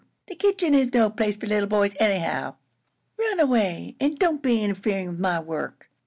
The kitchen is no place for little boys, anyhow. Run away, and don't be interferin' with my work."